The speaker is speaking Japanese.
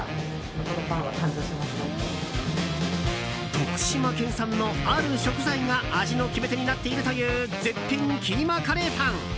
徳島県産の、ある食材が味の決め手になっているという絶品キーマカレーパン。